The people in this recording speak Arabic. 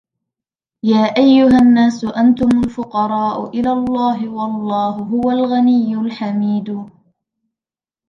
يا أَيُّهَا النّاسُ أَنتُمُ الفُقَراءُ إِلَى اللَّهِ وَاللَّهُ هُوَ الغَنِيُّ الحَميدُ